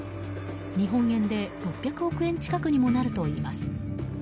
日本円で６００億円近くにもなるといいます。